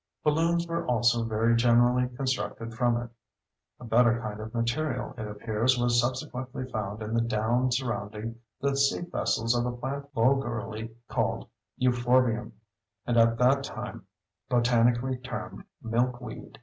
Balloons were also very generally constructed from it. A better kind of material, it appears, was subsequently found in the down surrounding the seed vessels of a plant vulgarly called euphorbium, and at that time botanically termed milk weed.